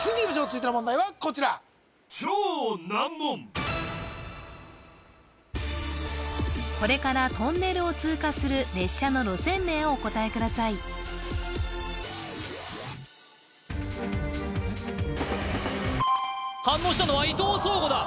続いての問題はこちらこれからトンネルを通過する列車の路線名をお答えください反応したのは伊藤壮吾だ